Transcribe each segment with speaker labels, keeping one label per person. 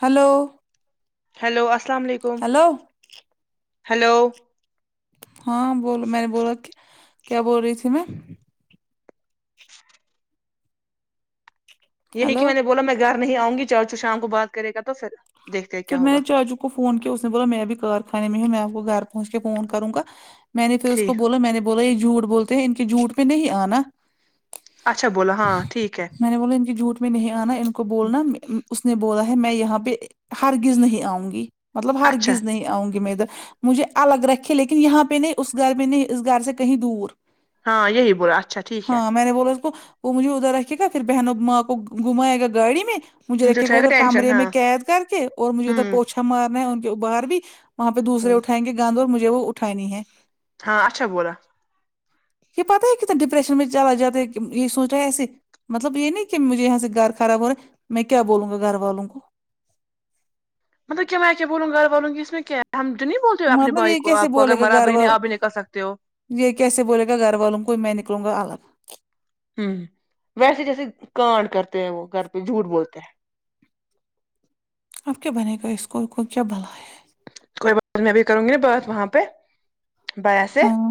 Speaker 1: hello
Speaker 2: hello السلام علیکم hello
Speaker 1: ہاں بولو میں نے بولا کہ کیا بول رہی تھی میں
Speaker 2: یہی کہ
Speaker 1: ہلو
Speaker 2: میں نے بولا میں گھر نہیں آؤں گی چاچو شام کو بات کرے گا تو پھر دیکھتے ہیں
Speaker 1: پھر
Speaker 2: کیا
Speaker 1: میں
Speaker 2: ہوگا
Speaker 1: نے چاچو کو فون کیا اس نے بولا میں ابھی کارخانے میں ہوں میں آپ کو گھر پہنچ کے فون کروں گا میں نے پھر اس کو
Speaker 2: ٹھیک
Speaker 1: بولا میں نے بولا یہ جھوٹ بولتے ہیں ان کے جھوٹ پہ نہیں آنا
Speaker 2: اچھا بولا ہاں ٹھیک ہے
Speaker 1: میں نے بولا ان کے جھوٹ میں نہیں آنا ان کو بولنا اس نے بولا ہے میں یہاں پہ ہرگز نہیں آؤں گی مطلب
Speaker 2: اچھا
Speaker 1: ہرگز نہیں آؤں گی میں ادھر مجھے الگ رکھے لیکن یہاں پہ نہیں اس گھر پہ نہیں اس گھر سے کہیں دور
Speaker 2: ہاں یہی بولا اچھا ٹھیک ہے
Speaker 1: ہاں میں نے بولا اس کو وہ مجھے ادھر رکھے گا پھر بہنوں ماں کو گھمائے گا گاڑی میں مجھے رکھے گا
Speaker 2: اٹھائے
Speaker 1: ادھر
Speaker 2: ٹینشن
Speaker 1: کمرے
Speaker 2: ہاں
Speaker 1: میں قید کر کے اور مجھے ادھر
Speaker 2: ہوں
Speaker 1: پوچھا مارنا ہے ان کے باہر بھی وہاں پہ دوسرے
Speaker 2: ہوں
Speaker 1: اٹھائ گند اور مجھے وہ اٹھانی ہے
Speaker 2: ہاں اچھا بولا
Speaker 1: یہ پتہ ہے کیتا ڈپریشن میں چلا جاتا ہے یہ سونچا ہے ایسے مطلب یہ نہیں کہ مجھے یہاں سے گھر خراب ہو رہا ہے میں کیا بولوں گا گھر والوں کو
Speaker 2: مطلب کیا میں کیا بولوں گا گھر والوں کہ اس میں کیا ہم تو نہیں بولتے ہو اپنے
Speaker 1: مطلب
Speaker 2: بھائی
Speaker 1: یہ
Speaker 2: کو
Speaker 1: کیسے
Speaker 2: آپ کو اگر
Speaker 1: بولے گا گھر
Speaker 2: برابری
Speaker 1: وال
Speaker 2: نہیں آپ بھی نہیں کر سکتے ہو
Speaker 1: یہ کیسے بولے گا گھر والوں کو میں نکلوں گا الگ
Speaker 2: ہوں ویسے جیسے کانڈ کرتے ہیں وہ گھر پہ جھوٹ بولتے ہیں
Speaker 1: اب کیا بنے گا اسکول کو کیا بلائے
Speaker 2: کوئی بات نہیں ابھی کروں گی نا بات وہاں پہ بھیا سے
Speaker 1: ہاں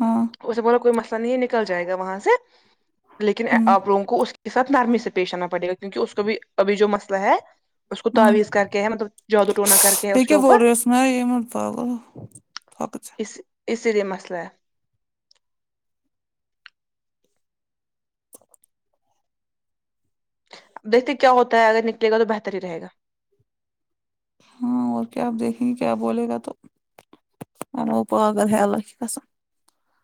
Speaker 1: ہاں
Speaker 2: اس نے بولا کوئی مسئلہ نہیں ہے نکل جائے گا وہاں سے لیکن
Speaker 1: ہمم
Speaker 2: آپ لوگوں کو اس کے ساتھ نرمی سے پیش آنا پڑے گا کیونکے اس کو بھی ابھی جو مسئلہ ہے اس کو
Speaker 1: ہمم
Speaker 2: تعویز کر کے ہے مطلب جادو ٹونا کر کے ہے اس کے اوپر
Speaker 1: نہیں میں پاگل ہوں بہت اچھے
Speaker 2: اسی اسی لیے مسئلہ ہے دیکھتے کیا ہوتا ہے اگر نکلے گا تو بہتر ہی رہےگا
Speaker 1: ہاں اور کیا اب دیکھیں گے کیا بولے گا تو ارے وہ پاگل ہے اللہ کی قسم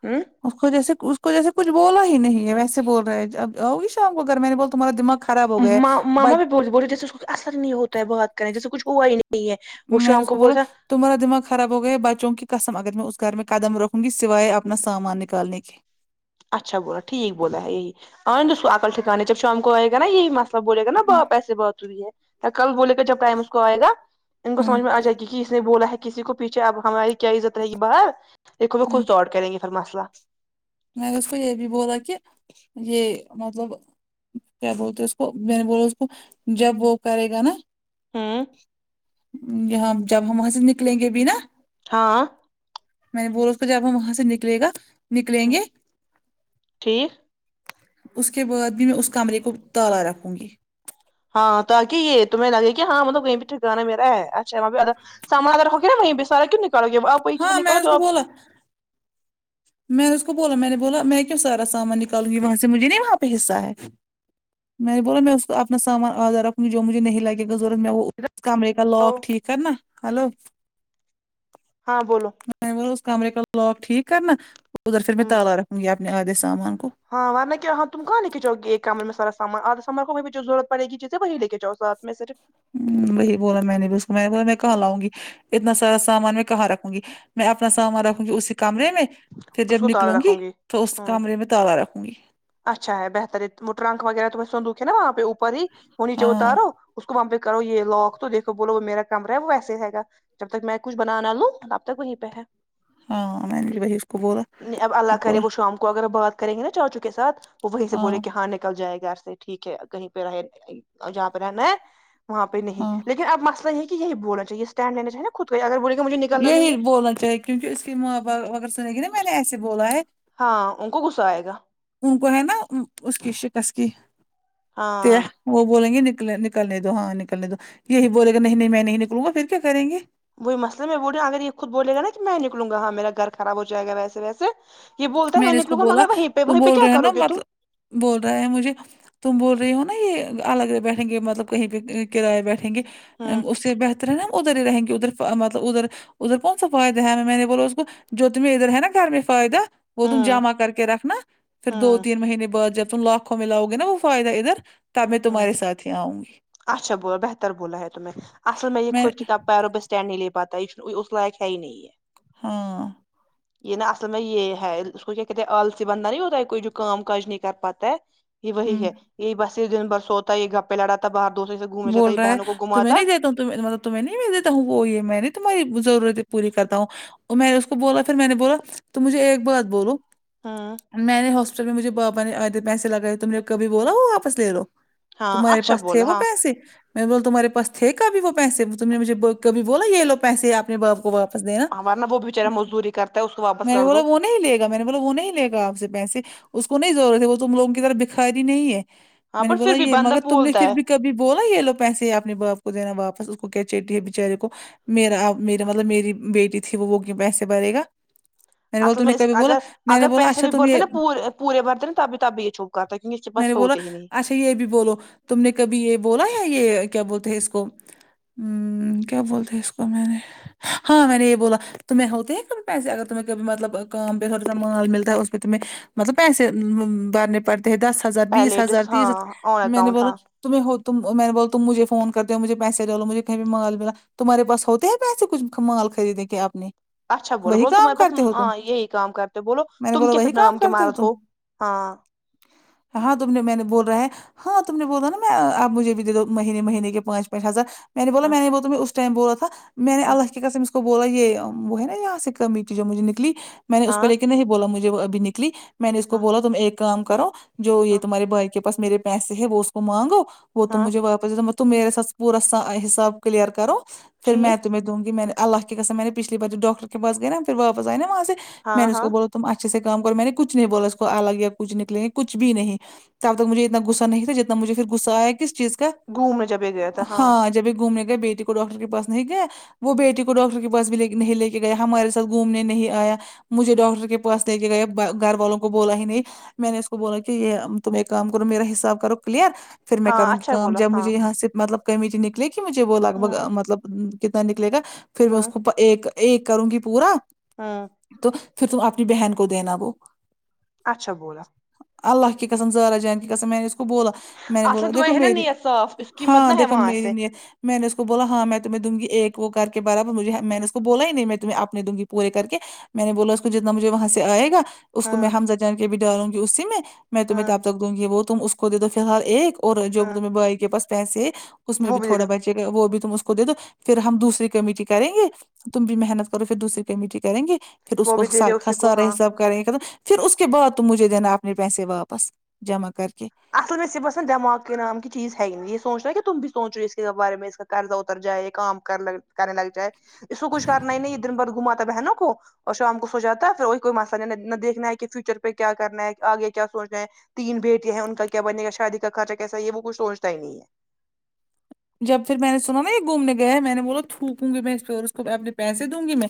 Speaker 2: ہوں
Speaker 1: اس کو جیسے اس کو جیسے کچھ بولا ہی نہیں ہے ویسے بول رہے ہے اب آؤ گئی شام کو گھر میں نے بول تو تمہارا دماغ خراب ہو گیا ہے
Speaker 2: م مما
Speaker 1: بچ
Speaker 2: بھی بول بول رہی تھی جیسے اس کو اثر نہیں ہوتا ہے بات کرئیں جیسے کچھ ہوا ہی نہیں ہے
Speaker 1: میں نے اس کو بولا تمہارا دماغ خراب ہو گیا بچوں کی قسم اگر میں اس گھر میں قدم رکھوں گی سوائے اپنا سامان نکالنے کے
Speaker 2: اچھا بولا ٹھیک بولا ہے یہ انے دو اسکو عقل ٹھکانے جب شام کو آئے گا نا یہی مسئلہ اب بولے گا نا پاپ ایسے بات ہوی ہے کل بولے گا جب ٹائم اس کو آئے گا ان کو
Speaker 1: ہوں
Speaker 2: سمجھ میں آ جائے گی کی اس نے بولا ہے کسی کو پیچھے اب ہماری کیا عزت رہے گی باہر دیکھو وہ
Speaker 1: ہوں
Speaker 2: خود سورٹ کریں گے پھر مسئلہ
Speaker 1: میں نے اس کو یہ بھی بولا کہ یہ مطلب کیا بولتے اس کو میں نے بولا اس کو جب وہ کرے گا نا
Speaker 2: ہوں
Speaker 1: یہاں جب ہم وہاں سے نکلیں گے بھی نا
Speaker 2: ہاں
Speaker 1: میں نے بولا اس کو جب ہم وہاں سے نکلے گا نکلیں گے
Speaker 2: ٹھیک
Speaker 1: اس کے بعد بھی میں اس کمرے کو تالا رکھوں گی
Speaker 2: ہاں تاکہ یہ تمہیں لگے کہ ہاں مطلب یہ بھی ٹھکانہ میرا ہے اچھا ہے واں پے آدھا سامان رکھو گے وہیں پے سارا کیوں نکالو گے آپ وہی چیزیں
Speaker 1: ہاں میں
Speaker 2: نکالو
Speaker 1: نے اس
Speaker 2: جو
Speaker 1: کو
Speaker 2: آپ
Speaker 1: بولا میں نے اس کو بولا میں نے بولا میں کیوں سارا سامان نکالوں گی وہاں سے مجھے نہیں وہاں پہ حصہ ہے میں نے بولا میں اس کو اپنا سامان آداھا رکھوں گی جو مجھے نہیں لگے گاضرورت میں وہ کمرے کا لاک ٹھیک کرنا ہلو
Speaker 2: ہاں بولو
Speaker 1: میں نے بولا اس کمرے کا لاک ٹھیک کرنا ادھر پھر میں
Speaker 2: ہوں
Speaker 1: تالا رکھوں گی اپنے آدھے سامان کو
Speaker 2: ہاں ورنہ کیا ہاں تم کہاں لے کے جاوگی ایک کمرے میں سارا سامان آدھا سامان کو وہیں پے جو ضرورت پڑ گی جیسے وہ لے لے کے جاؤ ساتھ میں سے جب
Speaker 1: ہوں وہی بولا میں نے بھی اس کو میں نے بولا میں کہا لآؤں گی اتنا سارا سامان میں کہاں رکھوں گی میں اپنا سامان رکھوں گی اسی کمرے میں پھر
Speaker 2: اس
Speaker 1: جب
Speaker 2: کو
Speaker 1: نکلوں
Speaker 2: تالا
Speaker 1: گی
Speaker 2: رکھوں
Speaker 1: تو اس
Speaker 2: ہوں
Speaker 1: کمرے میں تالا رکھوں گی
Speaker 2: اچھا ہے بہتر ہے وہ ٹرنک وغیرہ تمہارا صندوق ہے نا وہاں پہ اوپر ہی وہ نیچے
Speaker 1: ہاں
Speaker 2: اتارو اس کو وہاں پہ کرو یہ لاک تو دیکھو بولو وہ میرا کمرہ ہے وہ ایسے رہے گا جب تک میں کچھ بنا نہ لوں تب تک وہیں پہ ہے
Speaker 1: ہاں مینے بھی وہی اس کو بولا
Speaker 2: نہیں اب اللہ
Speaker 1: وہ
Speaker 2: کرے
Speaker 1: پورا
Speaker 2: شام کو اگر بات کریں گے نا چاچو کے ساتھ وہ وہیں سے بولے کہ ہاں نکل جائے گھر سے ٹھیک ہے کہیں پہ رہے جہاں پہ رہنا ہے وہاں پہ نہیں
Speaker 1: ہاں
Speaker 2: لیکن اب مسئلہ یہ یہ بولنا چاہیے اسٹینڈ لی چاہے خود کا اگر بولے کہ مجھے نکلنا نہیں
Speaker 1: یہی
Speaker 2: ہے
Speaker 1: بولنا چاہیے کیونکہ اس کی ماں باپ اگر سنیں گی نا میں نے ایسے بولا ہے
Speaker 2: ہاں ان کو غصہ آئے گا
Speaker 1: ان کو ہے نا اس کی شکست کی ت
Speaker 2: ہاں
Speaker 1: وہ بولیں گے نکل نکلنے دو ہاں نکلنے دو یہی بولے گا نہیں نہیں میں نہیں نکلوں گا پھر کیا کریں گے
Speaker 2: وہی مسئلہ میں بول رہ اگر یہ خود بولے گا کہ میں نکلوگا ہاں میرا گھر خراب ہو جائے گا وسے ویسے یہ بولتا ہے میں
Speaker 1: نے اس کو
Speaker 2: نکلوں گا
Speaker 1: بولا
Speaker 2: مگر وہیں پہ
Speaker 1: تم
Speaker 2: وہیں پہ
Speaker 1: بول
Speaker 2: کیا
Speaker 1: رہے ہو
Speaker 2: کرو
Speaker 1: نا
Speaker 2: گے تم
Speaker 1: مطلب بول رہا ہے مجھے تم بول رہی ہو نا یہ الگ بیٹھیں گے مطلب کہیں پہ کرائے بیٹھیں گے
Speaker 2: ہوں
Speaker 1: اس سے بہتر ہے نا ہم ادھر ہی رہیں گے ادھر مطلب ادھر ادھر کون سا فائدہ ہے میں نے بولو اس کو جو تمہں ادھر ہے نا گھر میں فائدہ وہ تم
Speaker 2: ہوں
Speaker 1: جمع کر کے رکھنا پھر دو
Speaker 2: ہوں
Speaker 1: تین مہینے بعد جب تم لاکھوں میں لاؤ گے نا وہ فائدہ ادھر تب میں
Speaker 2: ہاں
Speaker 1: تمہارے ساتھ ہی آؤں گی
Speaker 2: اچھا بو بہتر بولا ہے تمیں اصل میں یہ خود کتاب پارو ب اسٹینڈ نہیں لے پاتا اس لائق ہے ہی نہیں ہے
Speaker 1: ہاں
Speaker 2: یہ نا اصل میں یہ ہے اس کو کیا کہتے ہیں آلسی بندہ نہیں ہوتا ہے کوئی جو کام کاج نہیں کر پاتا ہے یہ وہی
Speaker 1: ہوں
Speaker 2: ہے یہی بس اس دن برسوتا ہے یہ گپے لڑا باہر دوستوں سے گھومنے جاتا یہ بہنوں کو گھما
Speaker 1: توطلب [unintelligible] تو میں نہیں بھی دیتا ہوں وہ یہ میں نہیں تمہاری ضرورتیں پوری کرتا ہوں میں نے اس کو بولا پھر میں نے بولا تم مجھے ایک بات بولو
Speaker 2: ہاں
Speaker 1: میں نے ہاسپٹل میں مجھے بابا نے آدھے پیسے لگائے تم نے کبھی بولا ہو واپس لے لو
Speaker 2: ہاں
Speaker 1: تمہارے
Speaker 2: اچھا
Speaker 1: پاس تھے
Speaker 2: بولا
Speaker 1: وہ
Speaker 2: ہاں
Speaker 1: پیسے میں بول تمہارے پاس تھے کبھی وہ پیسے تم نے مجھے کبھی بولا یہ لو پیسے اپنے باپ کو واپ پ دینا
Speaker 2: ہاں ورنہ وہ بچارا مزدوری کرتا ہے اس کو واپس
Speaker 1: میں نے
Speaker 2: کر
Speaker 1: بولا
Speaker 2: دو
Speaker 1: وہ نہیں لے میں نے بول وہ نہیں لے گا آپ سے پیسے اس کو نہیں ضرورت ہے وہ تم لوگوں کی طرح بکھاری نہیں ہے
Speaker 2: ہاں
Speaker 1: میں نے
Speaker 2: بٹ پھر
Speaker 1: بولا
Speaker 2: بھی
Speaker 1: یہ
Speaker 2: بندہ
Speaker 1: مگر تم نے
Speaker 2: بولتا
Speaker 1: پھر
Speaker 2: ہے
Speaker 1: بھی کبھی بولا یہ لو پیسے اپنے باپ کو دینا واپس اس کو کیا چیٹی ہے بچارے کو میرا ما مطلب میری بیٹی تھی وہ وہ کیو پیسے بھرے گا مینے بول
Speaker 2: اصل
Speaker 1: تو
Speaker 2: میں
Speaker 1: نے کبھی بولا
Speaker 2: اگر
Speaker 1: میں نے
Speaker 2: اگر
Speaker 1: بولا
Speaker 2: پیسے
Speaker 1: اچھا
Speaker 2: بھی
Speaker 1: تم
Speaker 2: برتے
Speaker 1: یہ
Speaker 2: نا پورے پورے بھرتے نا تو اب بھی تب بھی یہ چھو کرتا ہے کیک اس کے
Speaker 1: میں
Speaker 2: پس
Speaker 1: نے بولا
Speaker 2: ہوتے ہی نہیں
Speaker 1: اچھا یہ بھی بولو تم نے کبھی یہ بولا یا یہ کیا بولتے ہیں اس کو ہمم کیا بولتے ہیں اس کو میں نے ہاں میں نے یہ بولا تمہیں ہوتے ہی کب پیسے اگر تمہیں مطلب کام پہ تھوڑا سا ملتا ہے اس پہ تمہیں مطلب پیسے بھرنے پڑتے ہیں دس ہزار بیس
Speaker 2: پہلے
Speaker 1: ہزار
Speaker 2: ڈس ہاں
Speaker 1: تیس
Speaker 2: آن
Speaker 1: میں نے
Speaker 2: اکاؤنٹ
Speaker 1: بولا
Speaker 2: ہاں
Speaker 1: تمہ ہو تم میں نے بول تم مجھے فون کرتے ہو مجھے پیسے ڈالو مجھے کہیں مال ملا تمہارے پاس ہوتے ہیں پیسے کچھ مال خریدیں کے اپنی
Speaker 2: اچھا بولو بولو تمہارےاس ہاں یہی کام کرتے بولو
Speaker 1: میں نے
Speaker 2: تم
Speaker 1: بولا
Speaker 2: کیا پھر
Speaker 1: وہی کام
Speaker 2: نام کی
Speaker 1: کرتے
Speaker 2: مارت
Speaker 1: تم
Speaker 2: ہو ہاں
Speaker 1: ہاں تم نے میں نے بول رہا ہے ہاں تم نے بولا ہے نا میں آپ مجھے بھی دے دو مہینے مہینے کے پانچ پانچ ہزار میں نے بولا
Speaker 2: ہاں
Speaker 1: میں نے ب اس ٹائم بولا تھا میں نے
Speaker 2: ہاں
Speaker 1: اللہ کے قسم اس کو بولا یہ وہ ہے نا یہاں سے کمیٹی جو مجھے نکلی میں نے اس کو
Speaker 2: ہاں
Speaker 1: لے کے نہیں بولا مجھے وہ اب نکلی میں نے اس کو
Speaker 2: ہاں
Speaker 1: بولا تم ایک کام کرو جو یہ
Speaker 2: ہاں
Speaker 1: تمہارے بائی کے میرے پیسے ہے وہ اس کو مانگو وہ تم
Speaker 2: ہاں
Speaker 1: مجھے واپس م تم میرے ساتس پورا سا حساب کلیئر کرو پھر میں
Speaker 2: ٹھیک
Speaker 1: تمہیں دوں گی میں نے اللہ کے قسم میں نے پچھلی بار تو ڈاکٹر کے پاس گیا نا پھر واپس آئے نا وہاں سے
Speaker 2: ہاں
Speaker 1: میں نے اس کو
Speaker 2: ہاں
Speaker 1: بولا تم اچھے سے کام کرو میں نے کچھ نہیں بولا اس کو الگ یا کچھ نکلیں گے کچھ بھی نہیں تب تک مجھے اتنا غصہ نہیں تھا جتنا مجھے پھر غصہ آ ہے ک چیز کا
Speaker 2: گھومنے جب یہ گیا تھا
Speaker 1: ہاں جبھی گھومنے گئے بیٹی کو ڈاکٹر کے پاس نہیں یک ہے وہ بیٹی کو ڈاکٹر کے پاس بھی نہیں لے کے گیا ہمارے ساتھ گھومنے نہیں آیا مجھے ڈاکٹر کے پاس لے کے گیا گھر والوں کو بولا ہی نہیں میں نے اس کو بولا کہ یہ تم ایک کام کرو میرا حساب کرو کلیئر پھر میں
Speaker 2: ہاں
Speaker 1: کروں گی
Speaker 2: اچھا
Speaker 1: کام
Speaker 2: بولا
Speaker 1: جب
Speaker 2: ہاں
Speaker 1: مجھے یہاں سے مطلب کمیٹی نکلے کہ مجھے وہ لگ بھ
Speaker 2: ہوں
Speaker 1: مطلب کتنا نکلے گا پھر میں اس
Speaker 2: ہوں
Speaker 1: کو ایک ایک کروں گی پورا
Speaker 2: ہاں
Speaker 1: تو پھر تم اپنی بہن کو دینا وہ
Speaker 2: اچھا بولا
Speaker 1: اللہ کے قسم زارا جان کی قسم میں نے اس کو بوللا میں نے بولا
Speaker 2: اصل
Speaker 1: دیکھو
Speaker 2: تمہیں ہے نا
Speaker 1: میری
Speaker 2: نیت صاف اس کی مت
Speaker 1: ہاں
Speaker 2: نہ ہے
Speaker 1: دیکھو
Speaker 2: وہاں
Speaker 1: میری
Speaker 2: سے
Speaker 1: نیت میں نے اس کو بولا ہاں میں تمہیں دوگی ایک وہ کر کے برابر مجھے میں نے کو بولا ہی نہیں میں تمہ اپنے دوگی پورے کر کے میں نے بولا اس کو جتنا مجھے وہاں سے آئے گا اس کو
Speaker 2: ہاں
Speaker 1: میں حمزہ جان کے بھی ڈالوں گی اسی میں میں تمہیں
Speaker 2: ہاں
Speaker 1: تب تک دوں گی وہ تم اس کو دے دو فی الحال ایک اور جو
Speaker 2: ہاں
Speaker 1: تمہیں بائی کے پاس پیسے اس میں
Speaker 2: وہ
Speaker 1: بھی
Speaker 2: دے
Speaker 1: تھوڑا
Speaker 2: دو
Speaker 1: بہچ وہ بھی تم اس کو دے دو پھر ہم دوسری کمیٹی کریں گے تم بھی محنت کرو پھر دوسری کمیٹی کریں گے پھر اس
Speaker 2: وہ
Speaker 1: کو
Speaker 2: بھی دے دو اسی کو
Speaker 1: سارا
Speaker 2: ہاں
Speaker 1: حساب کریں گےم پھر اس کے بعد تو مجھے دینا اپنے پیسے واپس جمع کر کے
Speaker 2: اصل میں سے یہ باس دماغ کے نام کی چی ہی ن یہ سوچ رہ ہے کہ تم بھی سونچو اس کے بار میں اس قرضہ اتر جائے کام کر کرنے لگ جائے اس کو کچھ کرنا ہی نہیں یہ دن بعد گھماتا بہنوں کو اور شام کو سو جاتا ہے پھر وہی کوئی مسئلہ نہ دیکھنا ہے کہ فیوچر پہ کیا کرنا ہے آگے کیا سوچنا ہے تین بیٹیاں ہیں ان کا کیا بنے گا شادی کا خرچہ کیسا یہ وہ کچ سوچتا ہی نہیں ہے
Speaker 1: جب پھر میں نے سنا نا یہ گھومنے گیا ہے میں نے بو تھوکوں گی میں اس پہ اس کو اپنے پیسے دوں گی میں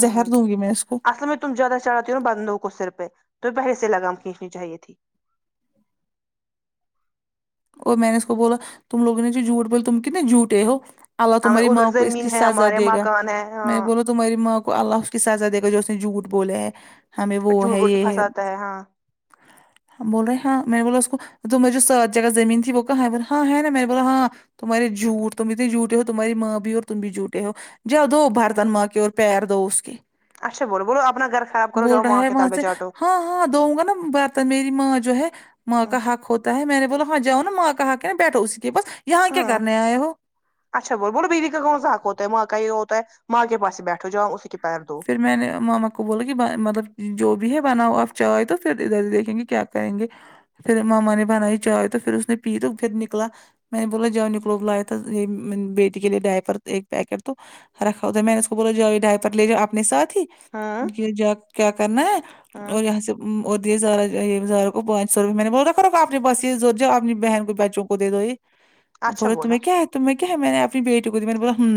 Speaker 2: ہاں
Speaker 1: دوں گی میں اس کو
Speaker 2: اصل میں تم زیادہ چڑھاتی ہو ن بندو کو سر پہ تمہ پہے سے لگام کھینچنی چاہیے تھی
Speaker 1: اور میں نے اس کو بولا تم لوگ نے جو جھوٹ بولے تم کتنے جھوٹے ہو اللہ
Speaker 2: ہمیں
Speaker 1: تمہاری
Speaker 2: ادھر
Speaker 1: ماں کو اس کی
Speaker 2: زمین ہے
Speaker 1: سزا
Speaker 2: ہمارے
Speaker 1: دے گا
Speaker 2: مکان ہے
Speaker 1: میں
Speaker 2: ہاں
Speaker 1: بول تمہاری ماں کو اللہ اس کی سزا دے گا جو اس نے جھوٹ بولا ہے ہمیں وہ
Speaker 2: جھوٹ
Speaker 1: ہے
Speaker 2: بوٹ کے
Speaker 1: یہ ہے
Speaker 2: پھنساتا ہاں
Speaker 1: ہم بولے ہاں میں بولا اس کو تو مجھے س جگہ زمین تھی وہ کہاں ہے ہاں ہے نا میرے بو ہاں تمہارے جھوٹ تم اتنے جھوٹے ہو تمہاری ماں بھی اور تم بھی جھٹے ہو جا دھو برتن ماں کے اور پیر دھو اس کے
Speaker 2: اچھا بولو بولو اپنا گھر خراب کرو
Speaker 1: بول
Speaker 2: جاؤ
Speaker 1: رہا
Speaker 2: ماں
Speaker 1: ہے
Speaker 2: کے تال
Speaker 1: وہاں
Speaker 2: میں
Speaker 1: سے
Speaker 2: چاٹو
Speaker 1: ہاں ہاں دھوؤ گا نا ب میری ماں جو ہے ماں کا حق ہوتا ہے میں نے بولا ہاں جاؤ نا ماں کا حق ہے نا بیٹھو اسی کے پاس یہاں کیا
Speaker 2: ہوں
Speaker 1: کرنے آئے ہو
Speaker 2: اچھا بول بولو بیوی کا کون حق ہوتا ہے ماں کا یہ ہوتا ہے ماں کے پاس بیٹھو جاؤ اسی کے پیر دو
Speaker 1: پھر میں نے ماما کو بولا کہ مطلب جو بھی ہے بناؤ آپ چائے تو پھر ادھر دیکھیں گے کیا کریں گے پھر ماما نے بنائی چائے تو پھر اس نے پی تو پھر نکلا میں نے بولا جاو نکلو لیا تھا ایک بیٹی کے لیے ڈائپر ایک پیکٹ تو رکھا ہو تھا میں نے اس کو بولا جاؤ ڈائپر لے جاؤ اپ نے ساتھ ہی
Speaker 2: ہوں
Speaker 1: یہ جب کیا کرنا ہے
Speaker 2: ہوں
Speaker 1: اور یہاں سے اور دیے سارا یہزارہ کو پانچ سو روپئے میں نے بولا کرو آپنے بس یہ زور جؤ اپنی بہن کو بچوں کو دے دو یہ
Speaker 2: اچھا
Speaker 1: بولے
Speaker 2: بولا
Speaker 1: تمہیں کیا ہے تمہیں کیا ہے میں نے اپنی بیٹی کو دی میں نے بولا ہوں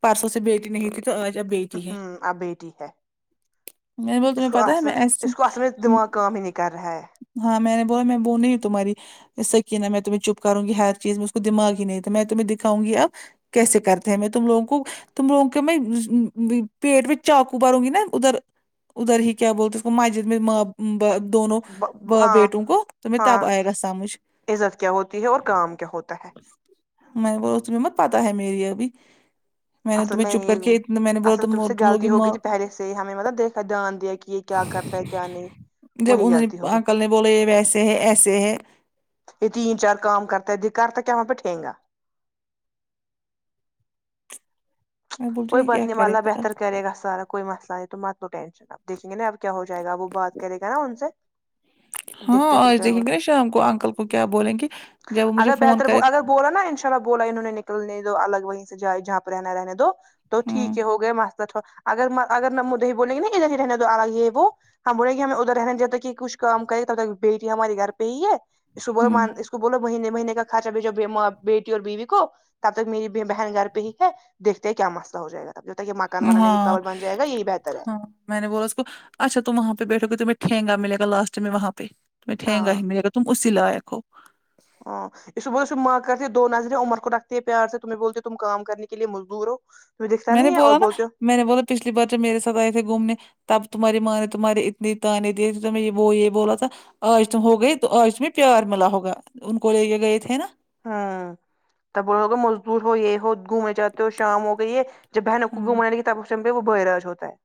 Speaker 1: پرسوں سے بیٹی نہیں تھی تو آج اب بیٹی ہے
Speaker 2: آ بیٹی ہے
Speaker 1: میں نے بولا
Speaker 2: اس
Speaker 1: تمہیں
Speaker 2: کو
Speaker 1: پتا ہے میں
Speaker 2: اصل
Speaker 1: ایسی
Speaker 2: اس کو اصل میں
Speaker 1: ہوں
Speaker 2: دماغ کام ہی نہیں کر رہا ہے
Speaker 1: ہاں میں نے بولا میں بولا میں وہ نہیں ہوں تمہاری سکینہ میں تمہیں چپ کروں گی ہر چیز میں اس کو دماغ ہی نہیں تھا میں تمہیں دکھاؤں گی اب کیسے کرتے ہیں میں تم لوگوں کو تم لوگوں کے میں و پیٹ میں چاقو ماروں گی نا ادھر ادھر ہی کیا بولتے اس کو مسجد میں ما با دونوں باپ
Speaker 2: ہاں
Speaker 1: بیٹوں کو تمہیں تب
Speaker 2: ہاں
Speaker 1: آئے گا سمجھ
Speaker 2: عزت کیا ہوتی ہے اور کام کیا ہوتا ہے
Speaker 1: میں نے بولا تمہیں مت پتا ہے میری ابھی میں نے تمہیں چپ کر کے ات میں نے بولا تم تم لوگ کی
Speaker 2: تی ہو
Speaker 1: ماں
Speaker 2: گئی تھی پہلے سے ہی ہمیں مطلب دیکھا دھیان دیا کہ یہ کیا کرتا ہے کیا نہیں
Speaker 1: جب
Speaker 2: وہی
Speaker 1: انہوں نے
Speaker 2: غلطی ہو گئی
Speaker 1: انکل نے بولا یہ ویسے ہے ایسے ہے
Speaker 2: یہ تین چار کام کرتا ہے یہ کرتا ہے کیا وہاں پہ ٹھیں گا
Speaker 1: میں بول رہی
Speaker 2: کوئی
Speaker 1: ہوں یہ
Speaker 2: بات
Speaker 1: کیا
Speaker 2: نہیں اب
Speaker 1: کرے
Speaker 2: اللہ
Speaker 1: گا
Speaker 2: بہتر کرے گا سارا کوئی مسئلہ ہے تو مت لو ٹینشن اپ دیکھیں گے اب کیا ہو جائے گا وہ بات کرے گا نا ان سے
Speaker 1: ہاں
Speaker 2: دیکھتے پھر
Speaker 1: آج
Speaker 2: کیا
Speaker 1: دیکھیں
Speaker 2: ہو
Speaker 1: گے نا شام کو انکل کو کیا بولیں گے جب مجھے
Speaker 2: اگر
Speaker 1: فون
Speaker 2: بہتر
Speaker 1: کرے
Speaker 2: اگر بولا نا انشاء اللہ بولا انہوں نے نکلنے دو الگ وہیں سے جائے جہاں پے رہنا رہنے دو تو
Speaker 1: ہوں
Speaker 2: ٹھیک ہے ہو گئے مسلہ تھے اگر اگر نا مجھے یہ بولیں گے نا ادھر ہی رہنے دو الگ یہ وہ ہم بولیں گی ہمیں ادھر رہنے جب تک کہ کچھ کام کرے تب تک بیٹی ہماری گھر پہ ہی ہے اس کو بولو
Speaker 1: ہوں
Speaker 2: من اس کو بولو مہینے مہینے کا خرچہ بھیجو اپنی ما بیٹی اور بیوی کو تب تک میری بہن گھر پہ ہی ہے دیکھتے ہیں کیا مسئلہ ہو جائےگا تب تک یہ مکان بنانے کی
Speaker 1: ہاں
Speaker 2: قبر بن جائےگا یہی بہتر ہے
Speaker 1: ہاں میں نے بولا اس کو اچھا تم وہاں پہ بیٹھو تمہیں ٹھینگا ملے گا لاسٹ میں وہاں پہ تمہیں ٹھینگا
Speaker 2: ہاں
Speaker 1: ہی ملےگا تم اسی لائق ہو
Speaker 2: آں اسے بول اس سے ماں کرتی دو نظریں عمر کو رکھتی ہے پیار سے تمہیں بولتی تم کام کرنے کے لیے مزدور ہو تمہیں دکھتا
Speaker 1: میں نے
Speaker 2: نہیں ہے اور
Speaker 1: بولا نا
Speaker 2: بولتے ہو
Speaker 1: میں نے بولا پچھلی بار جب میرے ساتھ آئے تھے گھومنے تب تمہاری ماں نے تمہاریے اتنے تعنے دیے تھی تمہیں یہ وہ بولا تھا آج تم ہو گئی تو آج تمہیں پیار ملا ہوگا ان کو لے گئے تھے نا
Speaker 2: ہاں تو بولا ہوگا مزدور ہو یہ ہو گھومنے جاتے ہو شام ہوگئی ہے جب بہنوں کو
Speaker 1: ہوں
Speaker 2: گھومانے کی تب پہ وہ بہراج ہوتا ہے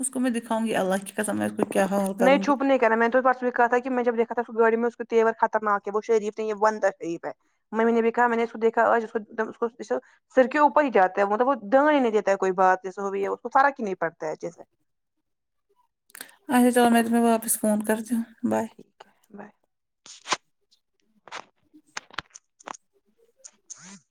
Speaker 1: اس کو میں دکھاؤنگی اللہ کے قسم میں اس کو کیا حال اتاروں گی
Speaker 2: کہنا میں تو پرسوں کہتا ہے کہ میں جب دیکھا تھا اس گاڑی میں اس کو تیور خطرناک ہے وہ شریف نہیں ہے یہ وندہ شریف ہے میں نے بھی کہا میں نے اس کو دیکھا اور کو ایک دا اس کو سر کے اوپر ہی جاتا ہے مطلب وہ ڈر ہی نہیں دیتا ہے کوئی بات جیسے ہو بھی ہے اس کو فرق ہی نہیں پڑتا جیسے
Speaker 1: اچھا چلو میں تمہیں واپس فون کرتی ہوں بائے
Speaker 2: بائے [inaudible]